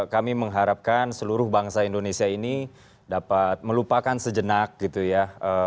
kami mengharapkan seluruh bangsa indonesia ini dapat melupakan sejenak gitu ya